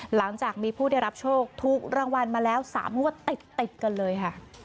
หลังจากมีผู้ได้รับโชคถูกรางวัลมาแล้ว๓งวดติดกันเลยค่ะ